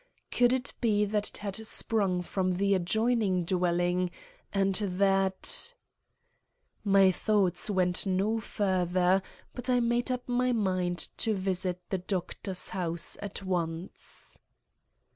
Could it be that it had sprung from the adjoining dwelling, and that—— My thoughts went no further, but I made up my mind to visit the Doctor's house at once.